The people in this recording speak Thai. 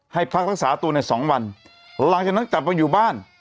พักรักษาตัวในสองวันหลังจากนั้นกลับมาอยู่บ้าน